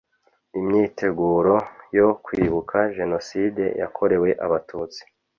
imyiteguro yo kwibuka jenoside yakorewe abatutsi